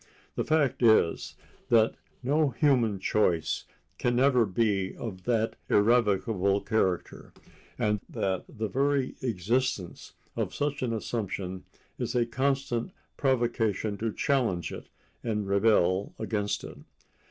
The fact is that no human choice can ever be of that irrevocable character, and that the very existence of such an assumption is a constant provocation to challenge it and rebel against it.